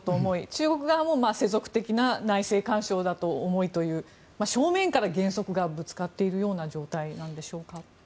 中国側も世俗的な内政干渉だと思いという正面から原則がぶつかっているような状態なんでしょうか。